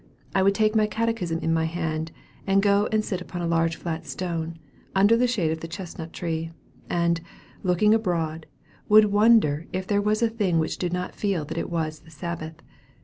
I would take my catechism in my hand, and go and sit upon a large flat stone, under the shade of the chestnut tree; and, looking abroad, would wonder if there was a thing which did not feel that it was the Sabbath.